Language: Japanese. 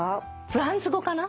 フランス語かな。